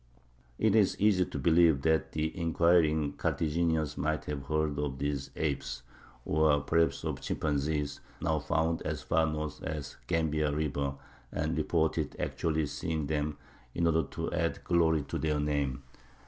It is easy to believe that the inquiring Carthaginians might have heard of these apes,—or perhaps of chimpanzees, now found as far north as the Gambia River,—and reported actually seeing them, in order to add glory to their name.